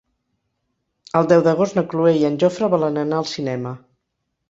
El deu d'agost na Cloè i en Jofre volen anar al cinema.